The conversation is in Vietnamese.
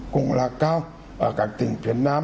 cũng là cao ở các tỉnh phía nam